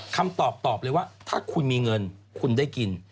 คำตอบเลยว่าถ้าคุณมีเงินคุณได้กิน